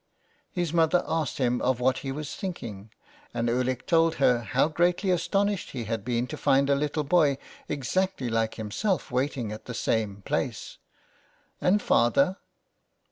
His mother asked him of what he was thinking, and Ulick told her how greatly astonished he had been to find a little boy exactly like himself, waiting at the same place. "And father?"